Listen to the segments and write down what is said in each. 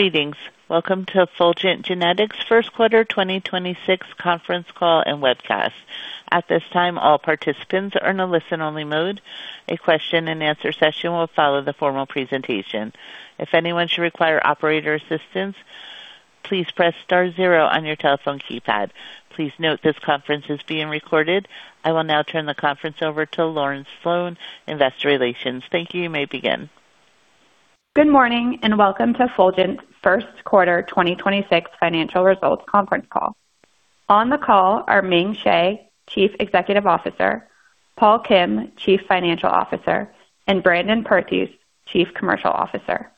Greetings. Welcome to Fulgent Genetics first quarter 2026 conference call and webcast. At this time, all participants are in a listen-only mode. A question and answer session will follow the formal presentation. If anyone should require operator assistance, please press star zero on your telephone keypad. Please note this conference is being recorded. I will now turn the conference over to Lauren Sloane, Investor Relations. Thank you. You may begin. Good morning, and welcome to Fulgent's first quarter 2026 financial results conference call. On the call are Ming Hsieh, Chief Executive Officer, Paul Kim, Chief Financial Officer, and Brandon Perthuis, Chief Commercial Officer.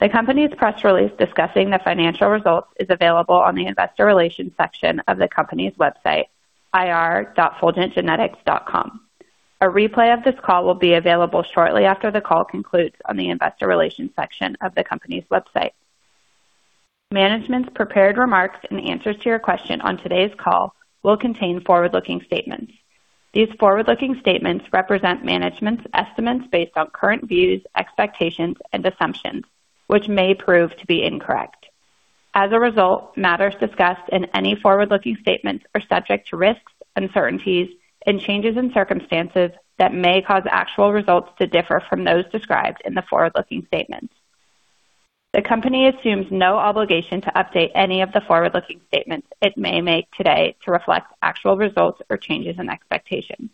The company's press release discussing the financial results is available on the investor relations section of the company's website, ir.fulgentgenetics.com. A replay of this call will be available shortly after the call concludes on the investor relations section of the company's website. Management's prepared remarks and answers to your question on today's call will contain forward-looking statements. These forward-looking statements represent management's estimates based on current views, expectations, and assumptions, which may prove to be incorrect. As a result, matters discussed in any forward-looking statements are subject to risks, uncertainties, and changes in circumstances that may cause actual results to differ from those described in the forward-looking statements. The company assumes no obligation to update any of the forward-looking statements it may make today to reflect actual results or changes in expectations.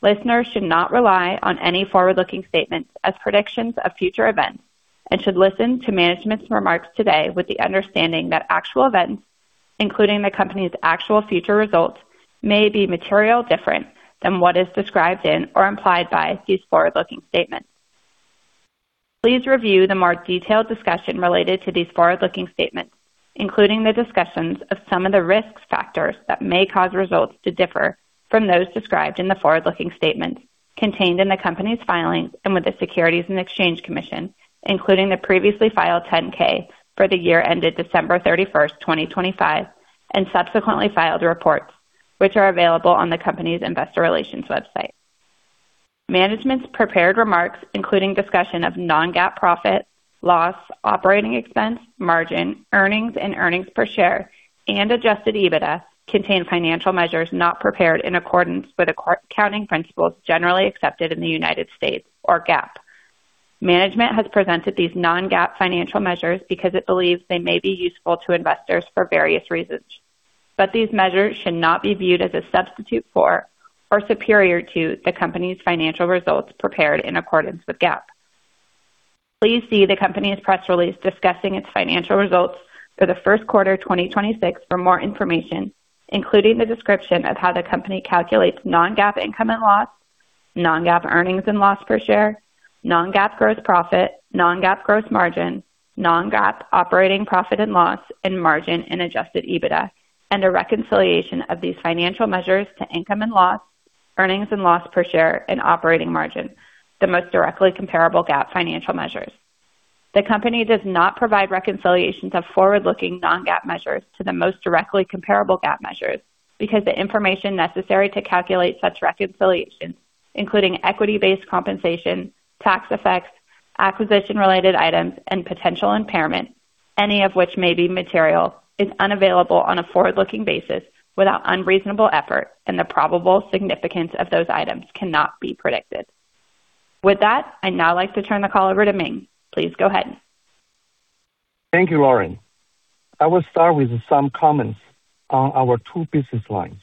Listeners should not rely on any forward-looking statements as predictions of future events and should listen to management's remarks today with the understanding that actual events, including the company's actual future results, may be materially different than what is described in or implied by these forward-looking statements. Please review the more detailed discussion related to these forward-looking statements, including the discussions of some of the risk factors that may cause results to differ from those described in the forward-looking statement contained in the company's filings and with the Securities and Exchange Commission, including the previously filed 10-K for the year ended December 31st, 2025, and subsequently filed reports, which are available on the company's investor relations website. Management's prepared remarks, including discussion of non-GAAP profit, loss, operating expense, margin, earnings and earnings per share, and adjusted EBITDA, contain financial measures not prepared in accordance with accounting principles generally accepted in the United States or GAAP. Management has presented these non-GAAP financial measures because it believes they may be useful to investors for various reasons, but these measures should not be viewed as a substitute for or superior to the company's financial results prepared in accordance with GAAP. Please see the company's press release discussing its financial results for the first quarter 2026 for more information, including the description of how the company calculates non-GAAP income and loss, non-GAAP earnings and loss per share, non-GAAP gross profit, non-GAAP gross margin, non-GAAP operating profit and loss and margin and Adjusted EBITDA, and a reconciliation of these financial measures to income and loss, earnings and loss per share, and operating margin, the most directly comparable GAAP financial measures. The company does not provide reconciliations of forward-looking non-GAAP measures to the most directly comparable GAAP measures because the information necessary to calculate such reconciliations, including equity-based compensation, tax effects, acquisition-related items, and potential impairment, any of which may be material, is unavailable on a forward-looking basis without unreasonable effort, and the probable significance of those items cannot be predicted. With that, I'd now like to turn the call over to Ming. Please go ahead. Thank you, Lauren. I will start with some comments on our two business lines.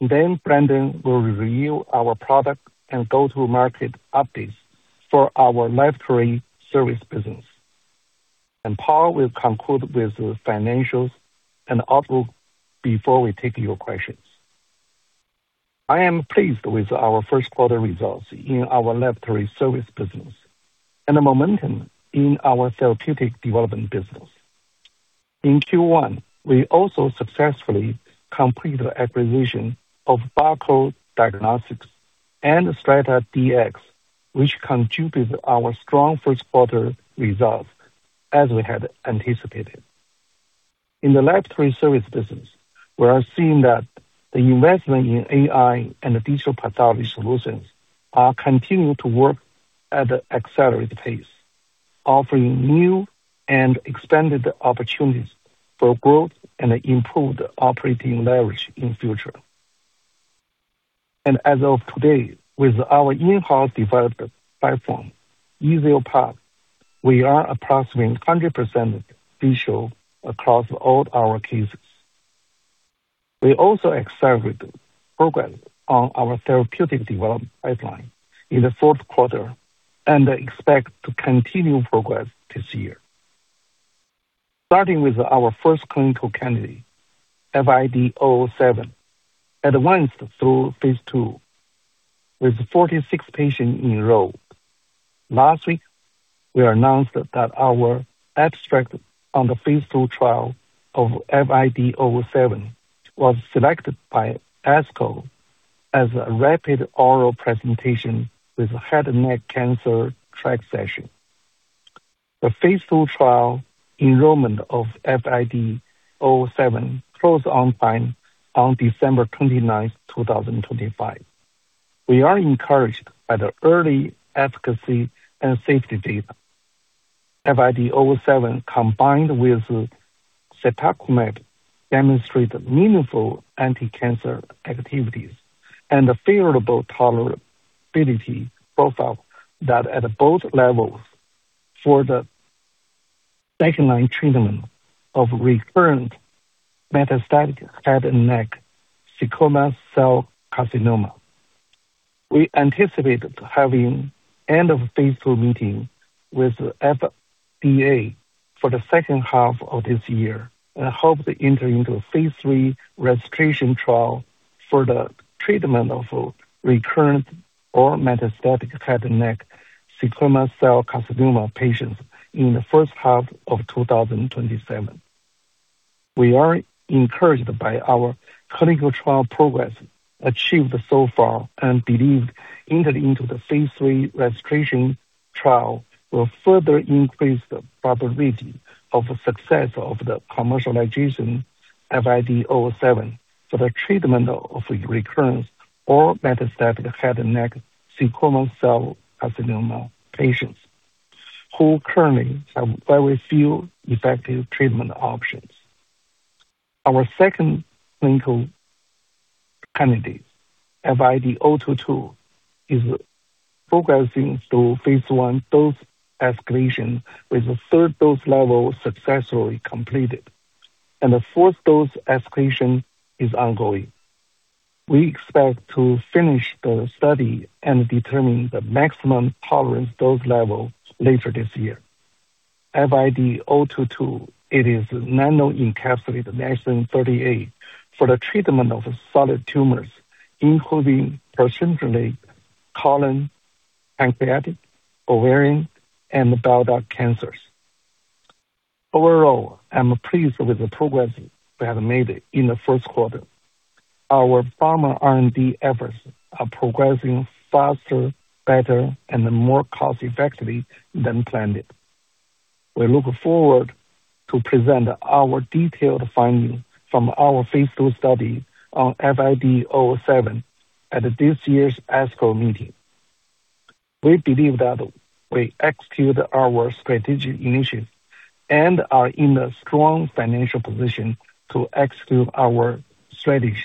Brandon will review our product and go-to-market updates for our laboratory service business. Paul will conclude with the financials and outlook before we take your questions. I am pleased with our first quarter results in our laboratory service business and the momentum in our therapeutic development business. In Q1, we also successfully completed the acquisition of Bako Diagnostics and StrataDX, which contributed to our strong first quarter results as we had anticipated. In the laboratory service business, we are seeing that the investment in AI and digital pathology solutions are continuing to work at an accelerated pace, offering new and expanded opportunities for growth and improved operating leverage in future. As of today, with our in-house developed platform, EasioPath, we are approaching 100% digital across all our cases. We also accelerated progress on our therapeutic development pipeline in the fourth quarter and expect to continue progress this year. Starting with our first clinical candidate, FID-007, advanced through phase II with 46 patients enrolled. Last week, we announced that our abstract on the phase II trial of FID-007 was selected by ASCO as a rapid oral presentation with head and neck cancer track session. The phase II trial enrollment of FID-007 closed on time on December 29, 2025. We are encouraged by the early efficacy and safety data. FID-007 combined with cetuximab demonstrated meaningful anticancer activities and a favorable tolerability profile that at both levels for the second-line treatment of recurrent metastatic head and neck squamous cell carcinoma. We anticipate having end of phase II meeting with the FDA for the second half of this year and hope to enter into a phase III registration trial for the treatment of recurrent or metastatic head and neck squamous cell carcinoma patients in the first half of 2027. We are encouraged by our clinical trial progress achieved so far and believe entering into the phase III registration trial will further increase the probability of success of the commercialization of FID-007 for the treatment of recurrent or metastatic head and neck squamous cell carcinoma patients who currently have very few effective treatment options. Our second clinical candidate, FID-022, is progressing through phase I dose escalation, with the third dose level successfully completed and the fourth dose escalation is ongoing. We expect to finish the study and determine the maximum tolerant dose level later this year. FID-022, it is nano-encapsulated SN-38 for the treatment of solid tumors, including peritoneal, colon, pancreatic, ovarian, and bile duct cancers. Overall, I'm pleased with the progress we have made in the first quarter. Our pharma R&D efforts are progressing faster, better, and more cost effectively than planned. We look forward to present our detailed findings from our phase II study on FID-007 at this year's ASCO meeting. We believe that we execute our strategic initiatives and are in a strong financial position to execute our strategies.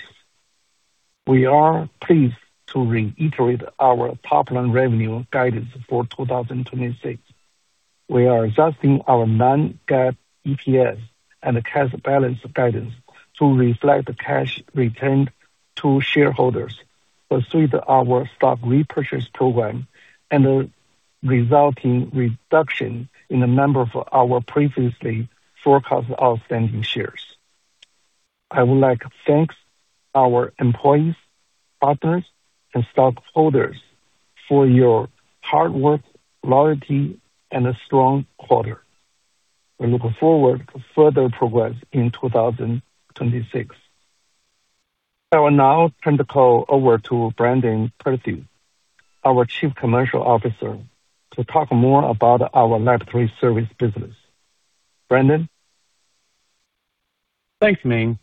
We are pleased to reiterate our top-line revenue guidance for 2026. We are adjusting our non-GAAP EPS and cash balance guidance to reflect the cash returned to shareholders pursuant our stock repurchase program and the resulting reduction in the number of our previously forecasted outstanding shares. I would like to thank our employees, partners, and stockholders for your hard work, loyalty, and a strong quarter. We look forward to further progress in 2026. I will now turn the call over to Brandon Perthuis, our Chief Commercial Officer, to talk more about our laboratory service business. Brandon. Thanks, Ming.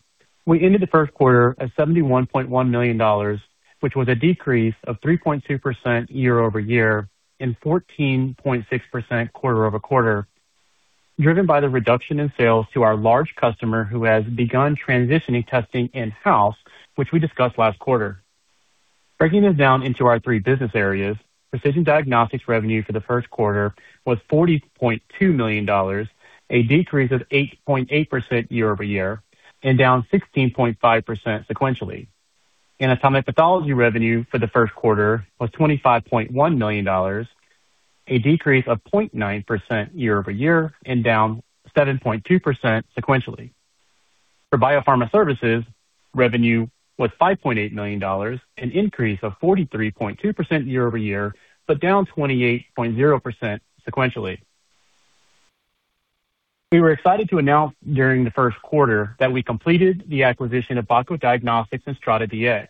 We ended the first quarter at $71.1 million, which was a decrease of 3.2% year-over-year and 14.6% quarter-over-quarter, driven by the reduction in sales to our large customer who has begun transitioning testing in-house, which we discussed last quarter. Breaking this down into our three business areas, precision diagnostics revenue for the first quarter was $40.2 million, a decrease of 8.8% year-over-year and down 16.5% sequentially. Anatomic pathology revenue for the first quarter was $25.1 million, a decrease of 0.9% year-over-year and down 7.2% sequentially. For biopharma services, revenue was $5.8 million, an increase of 43.2% year-over-year, but down 28.0% sequentially. We were excited to announce during the first quarter that we completed the acquisition of Bako Diagnostics and StrataDX.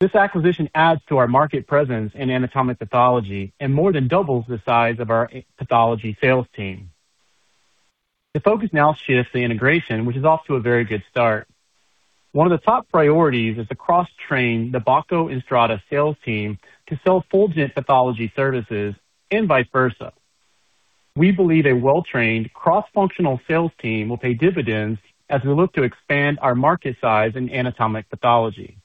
This acquisition adds to our market presence in anatomic pathology and more than doubles the size of our pathology sales team. The focus now shifts to integration, which is off to a very good start. One of the top priorities is to cross-train the Bako and Strata sales team to sell Fulgent pathology services and vice versa. We believe a well-trained cross-functional sales team will pay dividends as we look to expand our market size in anatomic pathology.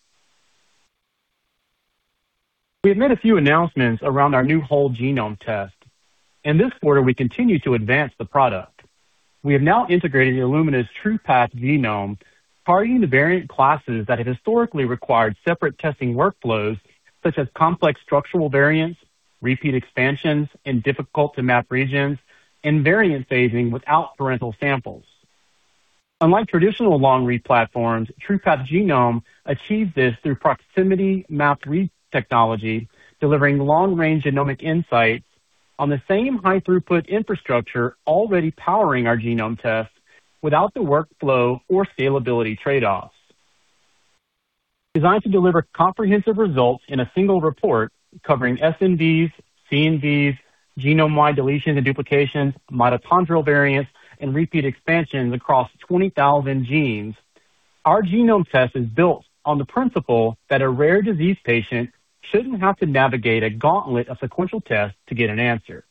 We have made a few announcements around our new whole genome test. In this quarter, we continue to advance the product. We have now integrated Illumina's TruPath Genome, targeting the variant classes that have historically required separate testing workflows such as complex structural variants, repeat expansions in difficult to map regions, and variant phasing without parental samples. Unlike traditional long-read platforms, TruPath Genome achieves this through proximity-mapped read technology, delivering long-range genomic insight on the same high-throughput infrastructure already powering our genome tests without the workflow or scalability trade-offs. Designed to deliver comprehensive results in a single report covering SNVs, CNVs, genome-wide deletions and duplications, mitochondrial variants, and repeat expansions across 20,000 genes, our genome test is built on the principle that a rare disease patient shouldn't have to navigate a gauntlet of sequential tests to get an answer.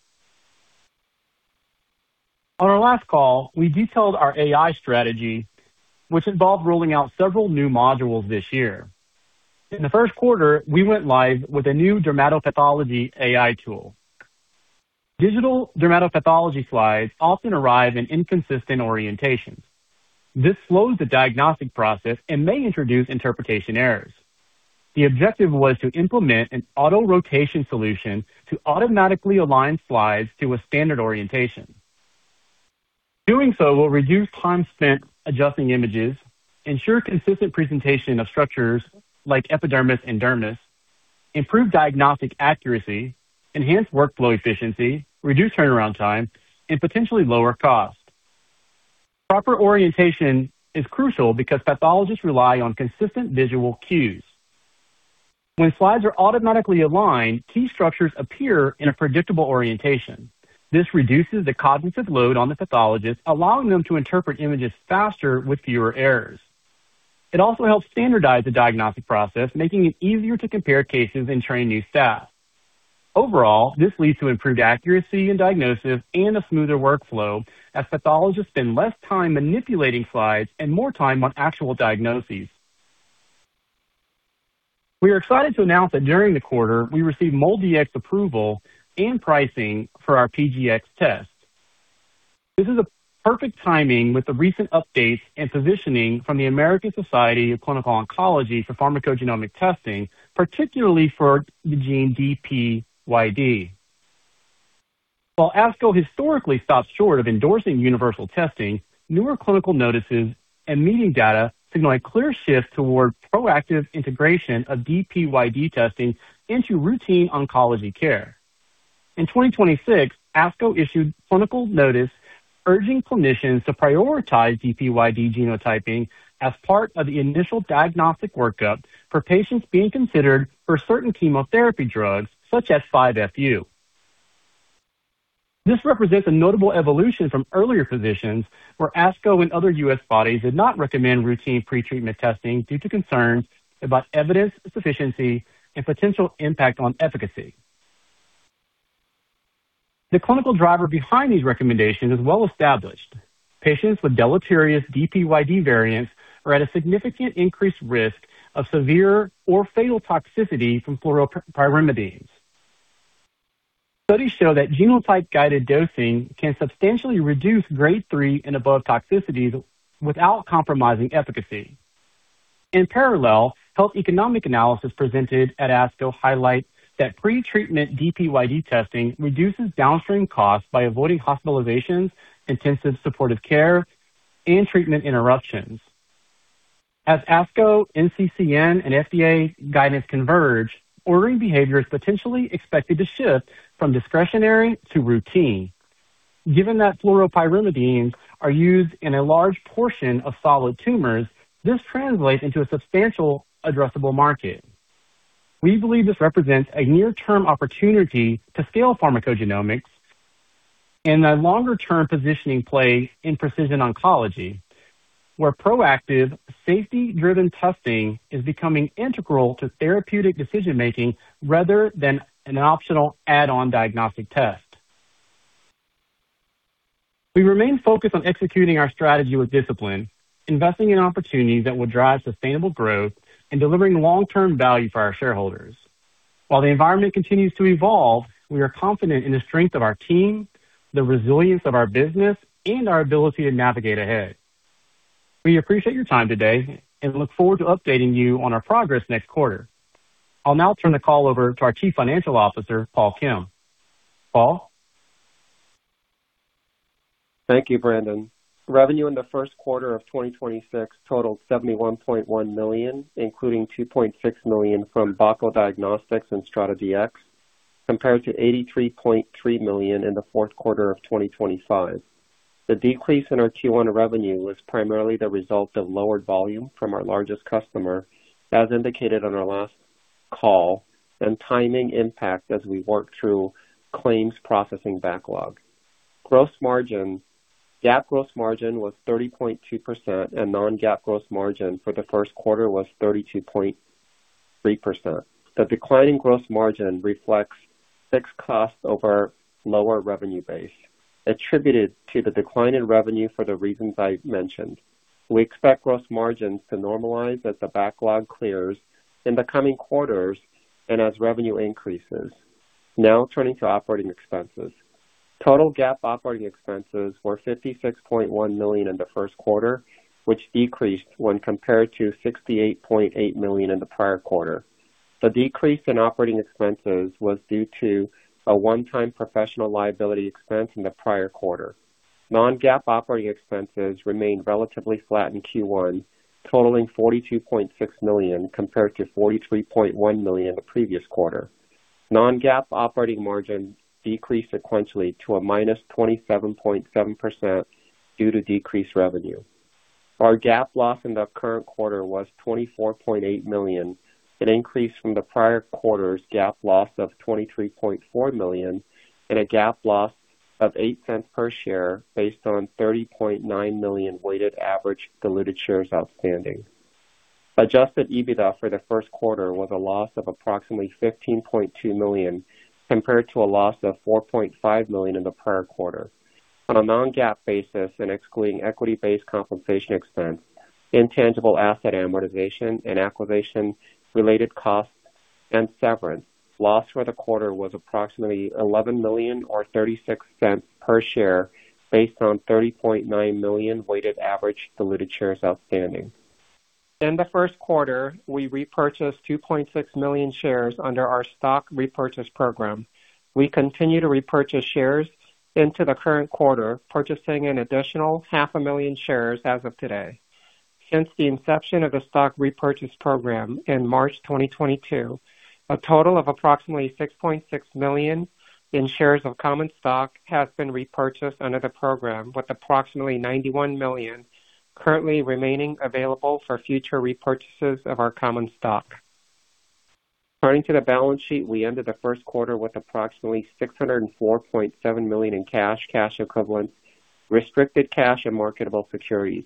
On our last call, we detailed our AI strategy, which involved rolling out several new modules this year. In the first quarter, we went live with a new dermatopathology AI tool. Digital dermatopathology slides often arrive in inconsistent orientation. This slows the diagnostic process and may introduce interpretation errors. The objective was to implement an auto-rotation solution to automatically align slides to a standard orientation. Doing so will reduce time spent adjusting images, ensure consistent presentation of structures like epidermis and dermis, improve diagnostic accuracy, enhance workflow efficiency, reduce turnaround time, and potentially lower cost. Proper orientation is crucial because pathologists rely on consistent visual cues. When slides are automatically aligned, key structures appear in a predictable orientation. This reduces the cognitive load on the pathologist, allowing them to interpret images faster with fewer errors. It also helps standardize the diagnostic process, making it easier to compare cases and train new staff. Overall, this leads to improved accuracy in diagnosis and a smoother workflow as pathologists spend less time manipulating slides and more time on actual diagnoses. We are excited to announce that during the quarter, we received MolDX approval and pricing for our PGx test. This is a perfect timing with the recent updates and positioning from the American Society of Clinical Oncology for pharmacogenomic testing, particularly for the gene DPYD. While ASCO historically stopped short of endorsing universal testing, newer clinical notices and meeting data signal a clear shift toward proactive integration of DPYD testing into routine oncology care. In 2026, ASCO issued clinical notice urging clinicians to prioritize DPYD genotyping as part of the initial diagnostic workup for patients being considered for certain chemotherapy drugs, such as 5-FU. This represents a notable evolution from earlier positions where ASCO and other U.S. bodies did not recommend routine pre-treatment testing due to concerns about evidence sufficiency and potential impact on efficacy. The clinical driver behind these recommendations is well-established. Patients with deleterious DPYD variants are at a significant increased risk of severe or fatal toxicity from fluoropyrimidines. Studies show that genotype-guided dosing can substantially reduce grade 3 and above toxicities without compromising efficacy. In parallel, health economic analysis presented at ASCO highlight that pre-treatment DPYD testing reduces downstream costs by avoiding hospitalizations, intensive supportive care, and treatment interruptions. As ASCO, NCCN, and FDA guidance converge, ordering behavior is potentially expected to shift from discretionary to routine. Given that fluoropyrimidines are used in a large portion of solid tumors, this translates into a substantial addressable market. We believe this represents a near-term opportunity to scale pharmacogenomics and a longer-term positioning play in precision oncology, where proactive, safety-driven testing is becoming integral to therapeutic decision-making rather than an optional add-on diagnostic test. We remain focused on executing our strategy with discipline, investing in opportunities that will drive sustainable growth, and delivering long-term value for our shareholders. While the environment continues to evolve, we are confident in the strength of our team, the resilience of our business, and our ability to navigate ahead. We appreciate your time today and look forward to updating you on our progress next quarter. I'll now turn the call over to our Chief Financial Officer, Paul Kim. Paul? Thank you, Brandon. Revenue in the first quarter of 2026 totaled $71.1 million, including $2.6 million from Bako Diagnostics and StrataDX, compared to $83.3 million in the fourth quarter of 2025. The decrease in our Q1 revenue was primarily the result of lowered volume from our largest customer, as indicated on our last call, and timing impact as we work through claims processing backlog. Gross margin. GAAP gross margin was 30.2% and non-GAAP gross margin for the first quarter was 32.3%. The decline in gross margin reflects fixed costs over lower revenue base attributed to the decline in revenue for the reasons I mentioned. We expect gross margins to normalize as the backlog clears in the coming quarters and as revenue increases. Now turning to operating expenses. Total GAAP operating expenses were $56.1 million in the first quarter, which decreased when compared to $68.8 million in the prior quarter. The decrease in operating expenses was due to a one-time professional liability expense in the prior quarter. Non-GAAP operating expenses remained relatively flat in Q1, totaling $42.6 million compared to $43.1 million the previous quarter. Non-GAAP operating margin decreased sequentially to a -27.7% due to decreased revenue. Our GAAP loss in the current quarter was $24.8 million, an increase from the prior quarter's GAAP loss of $23.4 million, and a GAAP loss of $0.08 per share based on 30.9 million weighted average diluted shares outstanding. Adjusted EBITDA for the first quarter was a loss of approximately $15.2 million, compared to a loss of $4.5 million in the prior quarter. On a non-GAAP basis and excluding equity-based compensation expense, intangible asset amortization, and acquisition-related costs and severance, loss for the quarter was approximately $11 million or $0.36 per share based on 30.9 million weighted average diluted shares outstanding. In the first quarter, we repurchased 2.6 million shares under our stock repurchase program. We continue to repurchase shares into the current quarter, purchasing an additional half a million shares as of today. Since the inception of the stock repurchase program in March 2022, a total of approximately $6.6 million in shares of common stock has been repurchased under the program, with approximately $91 million currently remaining available for future repurchases of our common stock. Turning to the balance sheet, we ended the first quarter with approximately $604.7 million in cash equivalents, restricted cash and marketable securities.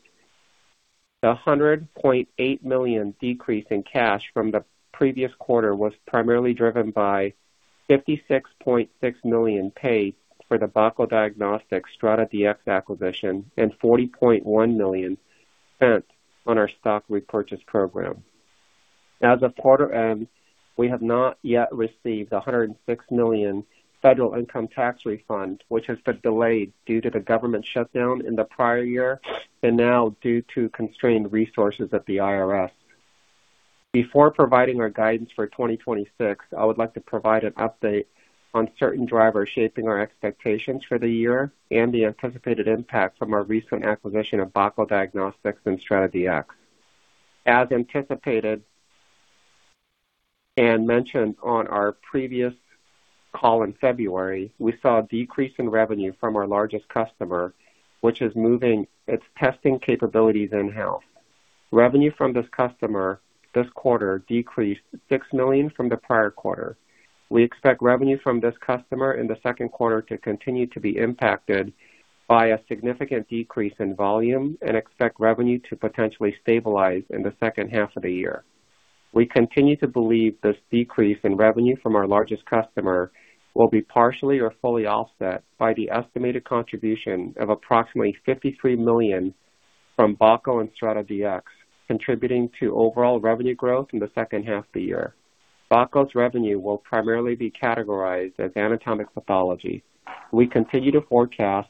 The $100.8 million decrease in cash from the previous quarter was primarily driven by $56.6 million paid for the Bako Diagnostics StrataDX acquisition and $40.1 million spent on our stock repurchase program. As of quarter end, we have not yet received a $106 million federal income tax refund, which has been delayed due to the government shutdown in the prior year and now due to constrained resources at the IRS. Before providing our guidance for 2026, I would like to provide an update on certain drivers shaping our expectations for the year and the anticipated impact from our recent acquisition of Bako Diagnostics and StrataDX. As anticipated and mentioned on our previous call in February, we saw a decrease in revenue from our largest customer, which is moving its testing capabilities in-house. Revenue from this customer this quarter decreased $6 million from the prior quarter. We expect revenue from this customer in the second quarter to continue to be impacted by a significant decrease in volume and expect revenue to potentially stabilize in the second half of the year. We continue to believe this decrease in revenue from our largest customer will be partially or fully offset by the estimated contribution of approximately $53 million from Bako and StrataDX, contributing to overall revenue growth in the second half of the year. Bako's revenue will primarily be categorized as anatomic pathology. We continue to forecast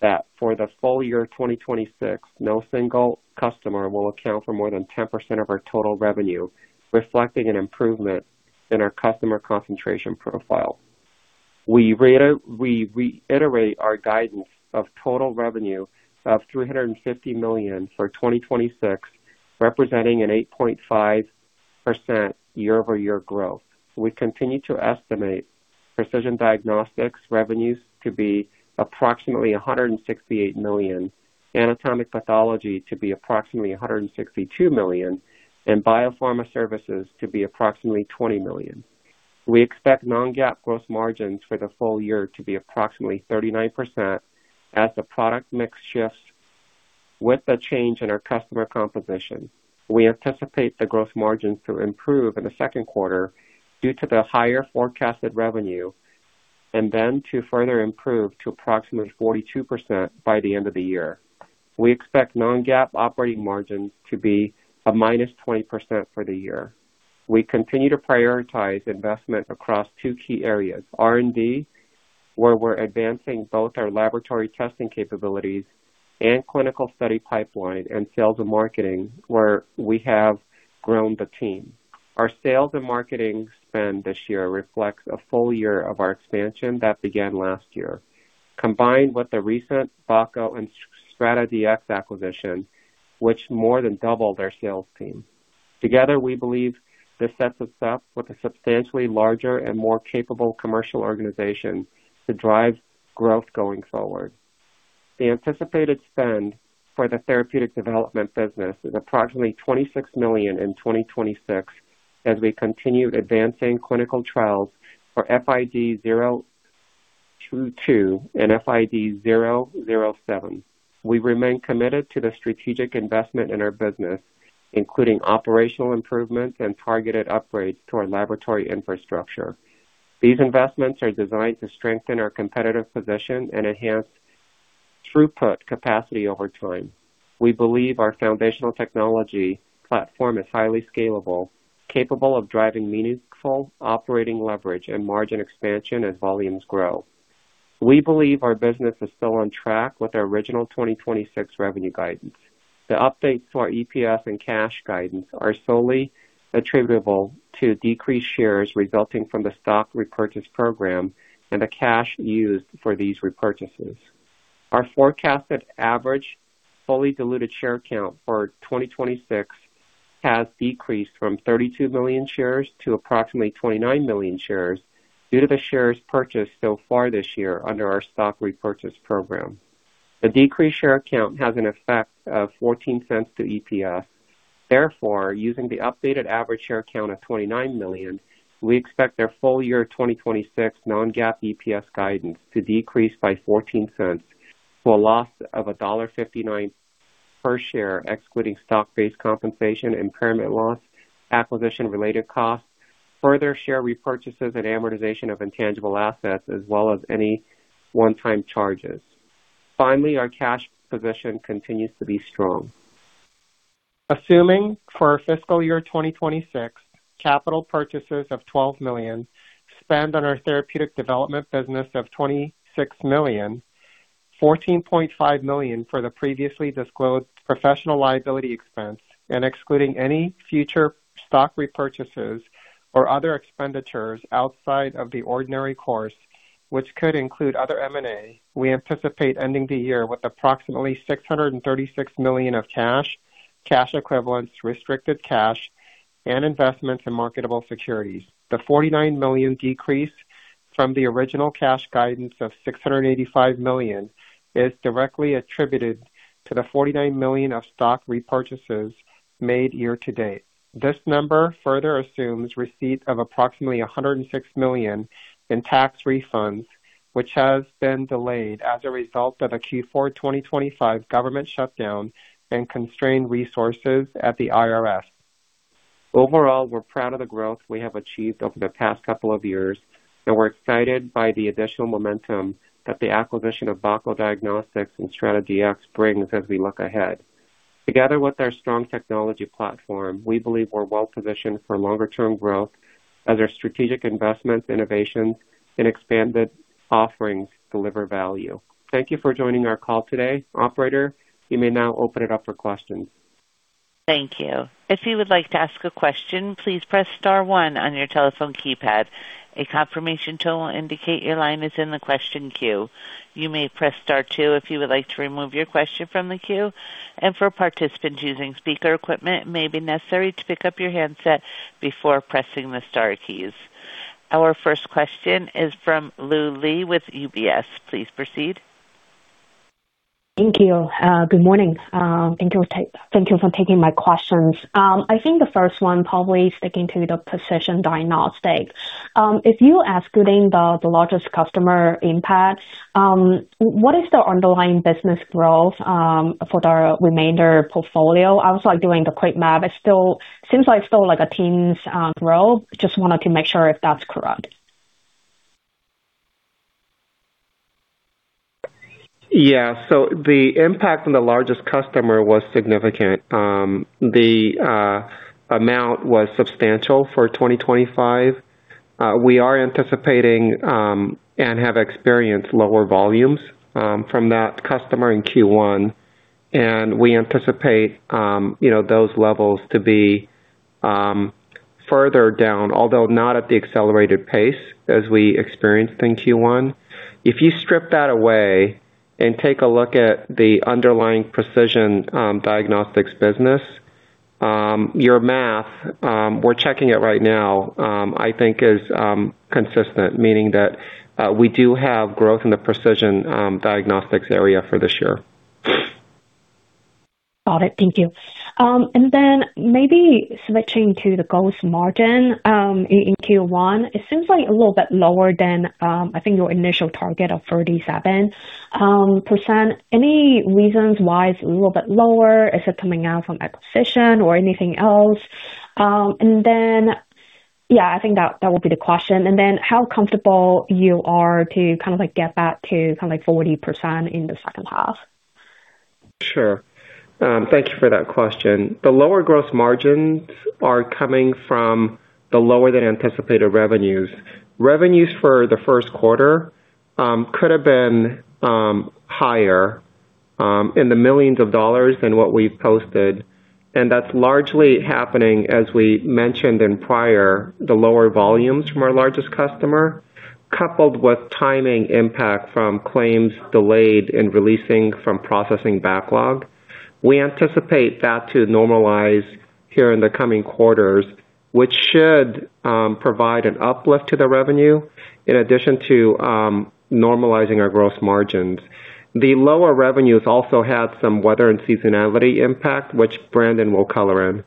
that for the full year 2026, no single customer will account for more than 10% of our total revenue, reflecting an improvement in our customer concentration profile. We reiterate our guidance of total revenue of $350 million for 2026, representing an 8.5% year-over-year growth. We continue to estimate precision diagnostics revenues to be approximately $168 million, anatomic pathology to be approximately $162 million, and biopharma services to be approximately $20 million. We expect non-GAAP gross margins for the full year to be approximately 39% as the product mix shifts with the change in our customer composition. We anticipate the gross margins to improve in the second quarter due to the higher forecasted revenue and then to further improve to approximately 42% by the end of the year. We expect non-GAAP operating margins to be a -20% for the year. We continue to prioritize investment across 2 key areas: R&D, where we're advancing both our laboratory testing capabilities and clinical study pipeline, and sales and marketing, where we have grown the team. Our sales and marketing spend this year reflects a full year of our expansion that began last year, combined with the recent Bako Diagnostics and StrataDX acquisition, which more than doubled our sales team. Together, we believe this sets us up with a substantially larger and more capable commercial organization to drive growth going forward. The anticipated spend for the therapeutic development business is approximately $26 million in 2026 as we continue advancing clinical trials for FID-022 and FID-007. We remain committed to the strategic investment in our business, including operational improvements and targeted upgrades to our laboratory infrastructure. These investments are designed to strengthen our competitive position and enhance throughput capacity over time. We believe our foundational technology platform is highly scalable, capable of driving meaningful operating leverage and margin expansion as volumes grow. We believe our business is still on track with our original 2026 revenue guidance. The updates to our EPS and cash guidance are solely attributable to decreased shares resulting from the stock repurchase program and the cash used for these repurchases. Our forecasted average fully diluted share count for 2026 has decreased from 32 million shares to approximately 29 million shares due to the shares purchased so far this year under our stock repurchase program. The decreased share count has an effect of $0.14 to EPS. Therefore, using the updated average share count of 29 million, we expect our full-year 2026 non-GAAP EPS guidance to decrease by $0.14 for a loss of $1.59 per share, excluding stock-based compensation, impairment loss, acquisition-related costs, further share repurchases and amortization of intangible assets, as well as any one-time charges. Finally, our cash position continues to be strong. Assuming for our fiscal year 2026, capital purchases of $12 million, spend on our therapeutic development business of $26 million, $14.5 million for the previously disclosed professional liability expense, and excluding any future stock repurchases or other expenditures outside of the ordinary course, which could include other M&A, we anticipate ending the year with approximately $636 million of cash equivalents, restricted cash and investments in marketable securities. The $49 million decrease from the original cash guidance of $685 million is directly attributed to the $49 million of stock repurchases made year to-date. This number further assumes receipt of approximately $106 million in tax refunds, which has been delayed as a result of a Q4 2025 government shutdown and constrained resources at the IRS. Overall, we're proud of the growth we have achieved over the past couple of years, and we're excited by the additional momentum that the acquisition of Bako Diagnostics and StrataDX brings as we look ahead. Together with our strong technology platform, we believe we're well positioned for longer term growth as our strategic investments, innovations and expanded offerings deliver value. Thank you for joining our call today. Operator, you may now open it up for questions. Our first question is from Lu Li with UBS. Please proceed. Thank you. Good morning. Thank you. Thank you for taking my questions. I think the first one probably sticking to the precision diagnostics. If you excluding the largest customer impact, what is the underlying business growth for the remainder portfolio? I was, like, doing the quick math. It seems like a teens growth. Just wanted to make sure if that's correct. Yeah. The impact on the largest customer was significant. The amount was substantial for 2025. We are anticipating and have experienced lower volumes from that customer in Q1, and we anticipate, you know, those levels to be further down, although not at the accelerated pace as we experienced in Q1. If you strip that away and take a look at the underlying precision diagnostics business, your math, we're checking it right now, I think is consistent, meaning that we do have growth in the precision diagnostics area for this year. Got it. Thank you. Maybe switching to the gross margin, in Q1, it seems like a little bit lower than, I think your initial target of 37%. Any reasons why it's a little bit lower? Is it coming out from acquisition or anything else? I think that would be the question. How comfortable you are to kind of, like, get back to kind of like 40% in the second half? Sure. Thank you for that question. The lower gross margins are coming from the lower than anticipated revenues. Revenues for the first quarter could have been higher in the millions of dollars than what we've posted, and that's largely happening, as we mentioned in prior, the lower volumes from our largest customer, coupled with timing impact from claims delayed in releasing from processing backlog. We anticipate that to normalize here in the coming quarters, which should provide an uplift to the revenue in addition to normalizing our gross margins. The lower revenues also had some weather and seasonality impact, which Brandon will color in.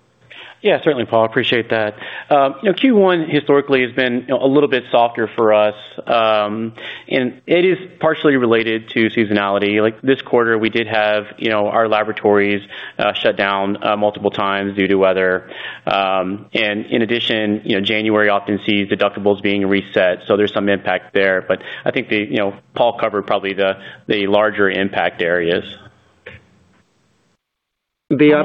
Yeah, certainly, Paul. Appreciate that. you know, Q1 historically has been a little bit softer for us. It is partially related to seasonality. Like this quarter, we did have, you know, our laboratories shut down multiple times due to weather. In addition, you know, January often sees deductibles being reset, so there's some impact there. I think the, you know, Paul covered probably the larger impact areas. The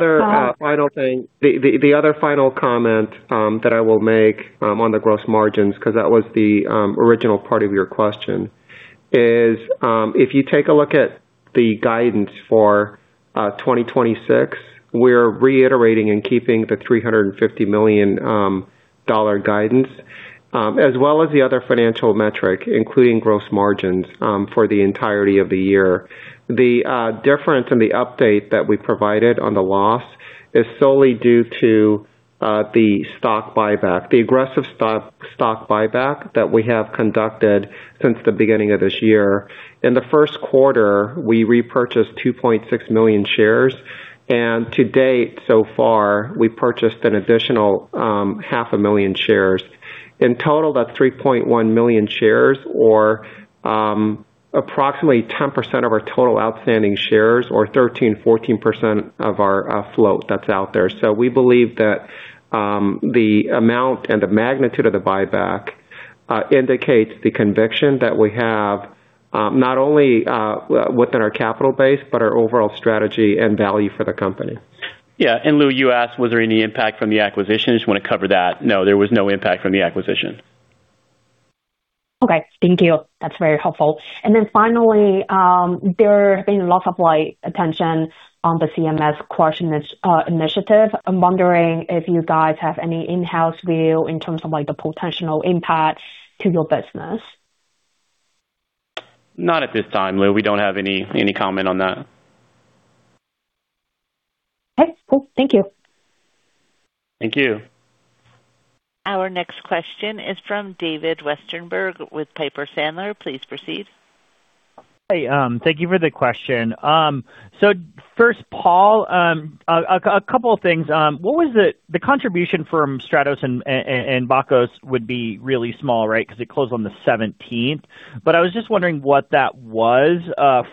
other final comment that I will make on the gross margins, 'cause that was the original part of your question is if you take a look at the guidance for 2026, we're reiterating and keeping the $350 million guidance, as well as the other financial metric, including gross margins, for the entirety of the year. The difference in the update that we provided on the loss is solely due to the stock buyback, the aggressive stock buyback that we have conducted since the beginning of this year. In the first quarter, we repurchased 2.6 million shares. To date so far, we purchased an additional half a million shares. In total, that's 3.1 million shares or approximately 10% of our total outstanding shares or 13%, 14% of our float that's out there. We believe that the amount and the magnitude of the buyback indicates the conviction that we have not only within our capital base, but our overall strategy and value for the company. Yeah. Lu, you asked was there any impact from the acquisition? Just want to cover that. No, there was no impact from the acquisition. Okay. Thank you. That's very helpful. Then finally, there have been lots of, like, attention on the CMS question, this initiative. I'm wondering if you guys have any in-house view in terms of, like, the potential impact to your business. Not at this time, Lu. We don't have any comment on that. Okay. Cool. Thank you. Thank you. Our next question is from David Westenberg with Piper Sandler. Please proceed. Thank you for the question. First, Paul, a couple of things. What was the contribution from StrataDX and Bako Diagnostics would be really small, right? 'Cause it closed on the 17th. I was just wondering what that was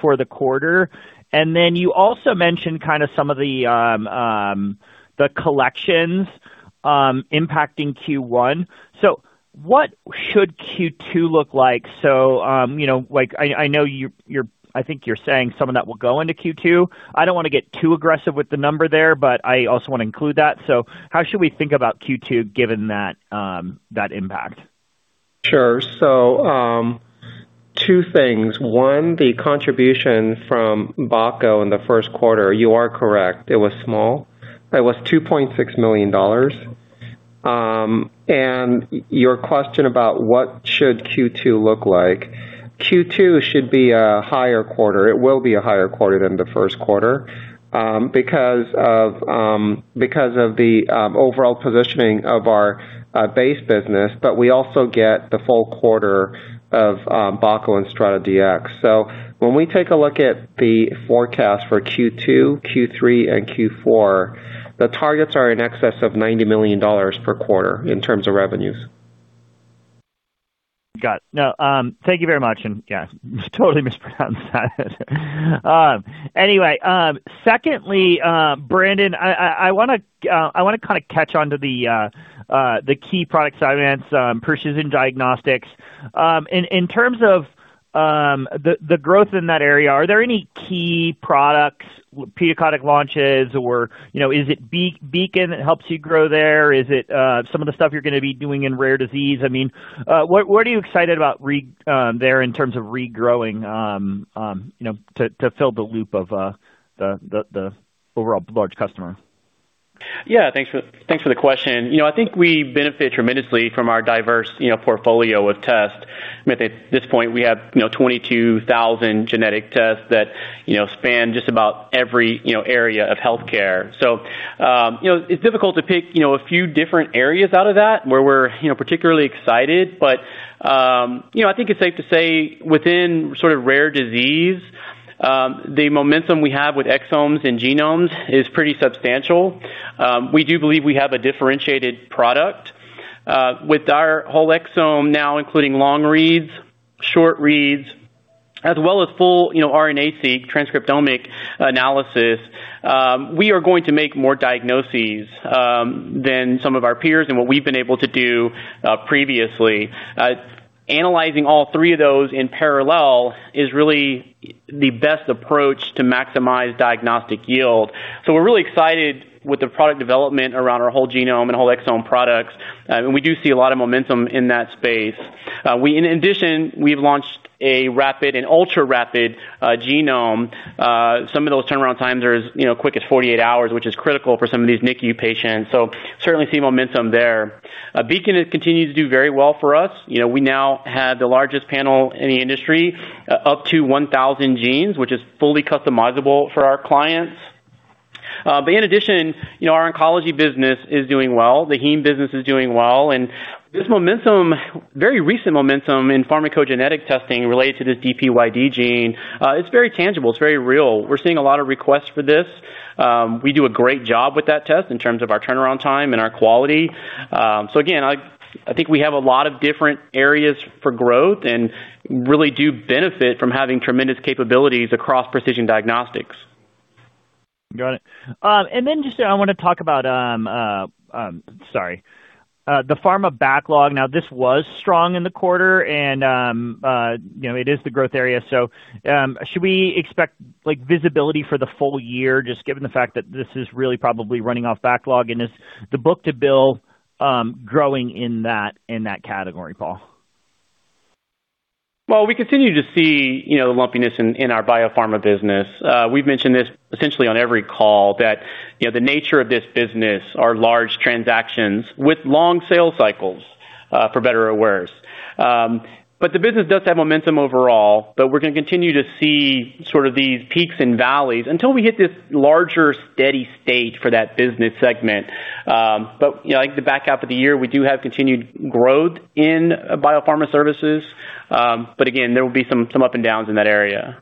for the quarter. You also mentioned kind of some of the collections impacting Q1. What should Q2 look like? You know, like I know I think you're saying some of that will go into Q2. I don't wanna get too aggressive with the number there, but I also wanna include that. How should we think about Q2 given that impact? Sure. Two things. One, the contribution from Bako in the first quarter, you are correct, it was small. It was $2.6 million. Your question about what should Q2 look like. Q2 should be a higher quarter. It will be a higher quarter than the first quarter, because of the overall positioning of our base business, but we also get the full quarter of Bako and StrataDX. When we take a look at the forecast for Q2, Q3 and Q4, the targets are in excess of $90 million per quarter in terms of revenues. Got it. No, thank you very much. Yeah, totally mispronounced that. Anyway, secondly, Brandon, I wanna, I wanna kind of catch on to the key product segments, precision diagnostics. In terms of the growth in that area, are there any key products, periodic launches or, you know, is it Beacon that helps you grow there? Is it some of the stuff you're gonna be doing in rare disease? I mean, what are you excited about there in terms of regrowing, you know, to fill the loop of the overall large customer? Thanks for the question. I think we benefit tremendously from our diverse portfolio of tests. At this point, we have 22,000 genetic tests that span just about every area of healthcare. It's difficult to pick a few different areas out of that where we're particularly excited. I think it's safe to say within sort of rare disease, the momentum we have with exomes and genomes is pretty substantial. We do believe we have a differentiated product with our whole exome now, including long reads, short reads, as well as full RNA-seq transcriptomic analysis. We are going to make more diagnoses than some of our peers and what we've been able to do previously. Analyzing all 3 of those in parallel is really the best approach to maximize diagnostic yield. We're really excited with the product development around our whole genome and whole exome products. We do see a lot of momentum in that space. In addition, we've launched a rapid and ultra-rapid genome. Some of those turnaround times are as, you know, quick as 48 hours, which is critical for some of these NICU patients. Certainly see momentum there. Beacon has continued to do very well for us. You know, we now have the largest panel in the industry, up to 1,000 genes, which is fully customizable for our clients. In addition, you know, our oncology business is doing well, the heme business is doing well. This very recent momentum in pharmacogenetic testing related to this DPYD gene, it's very tangible. It's very real. We're seeing a lot of requests for this. We do a great job with that test in terms of our turnaround time and our quality. Again, I think we have a lot of different areas for growth and really do benefit from having tremendous capabilities across precision diagnostics. Got it. Just I wanna talk about, sorry, the pharma backlog. Now, this was strong in the quarter and, you know, it is the growth area. Should we expect like visibility for the full year just given the fact that this is really probably running off backlog? Is the book to bill growing in that category, Paul? We continue to see, you know, lumpiness in our biopharma business. We've mentioned this essentially on every call that, you know, the nature of this business are large transactions with long sales cycles, for better or worse. The business does have momentum overall, but we're gonna continue to see sort of these peaks and valleys until we hit this larger, steady state for that business segment. You know, like the back half of the year, we do have continued growth in biopharma services. Again, there will be some up and downs in that area.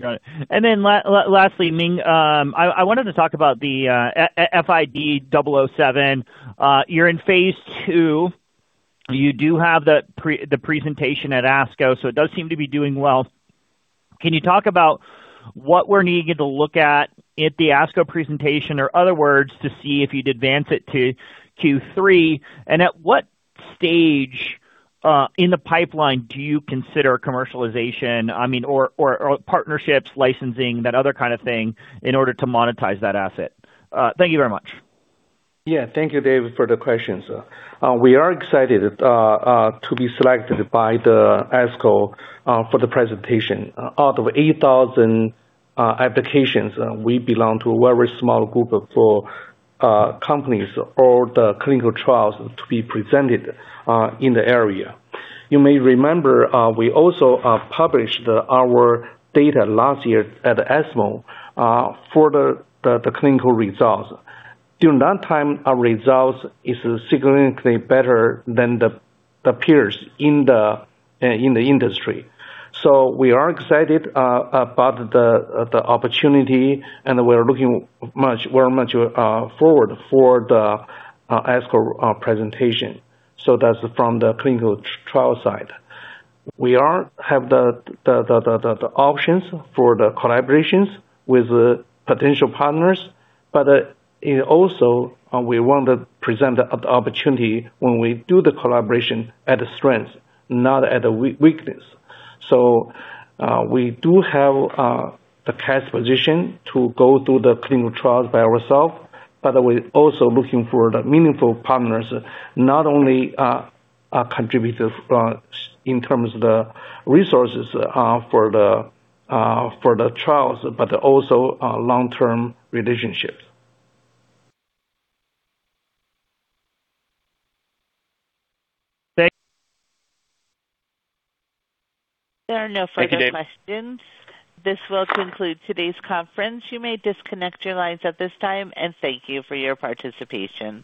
Got it. Lastly, Ming, I wanted to talk about the FID-007. You're in phase II. You do have the presentation at ASCO, so it does seem to be doing well. Can you talk about what we're needing to look at at the ASCO presentation, or other words, to see if you'd advance it to Q3? At what stage in the pipeline do you consider commercialization? I mean, or partnerships, licensing, that other kind of thing, in order to monetize that asset? Thank you very much. Yeah. Thank you, Dave, for the questions. We are excited to be selected by the ASCO for the presentation. Out of 8,000 applications, we belong to a very small group of companies for the clinical trials to be presented in the area. You may remember, we also published our data last year at ESMO for the clinical results. During that time, our results is significantly better than the peers in the industry. We are excited about the opportunity, and we're looking much forward for the ASCO presentation. That's from the clinical trial side. We are have the options for the collaborations with the potential partners, but it also we want to present the opportunity when we do the collaboration at strength, not at a weakness. We do have the cash position to go through the clinical trials by ourself, but we're also looking for the meaningful partners, not only a contributor for in terms of the resources for the trials, but also long-term relationships. Thank- There are no further questions. Thank you, Dave. This will conclude today's conference. You may disconnect your lines at this time, and thank you for your participation.